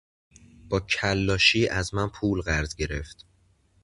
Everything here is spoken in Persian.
با کلاشی از من پول قرض گرفت.